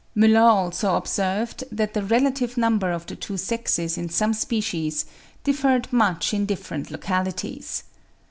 Müller also observed that the relative number of the two sexes in some species differed much in different localities.